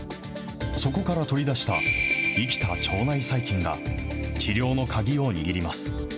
そこから取り出した生きた腸内細菌が、治療の鍵を握ります。